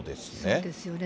そうですよね。